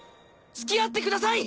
つきあってください！